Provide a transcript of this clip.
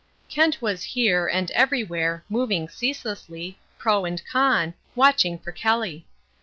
Kent was here, and everywhere, moving ceaselessly, pro and con, watching for Kelly.